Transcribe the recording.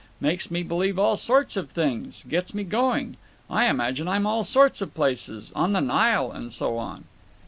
Makes me believe all sorts of thing—gets me going—I imagine I'm all sorts of places—on the Nile and so on."